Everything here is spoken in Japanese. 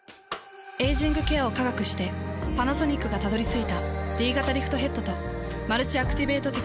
エイジングケアを科学してパナソニックがたどり着いたＤ型リフトヘッドとマルチアクティベートテクノロジー。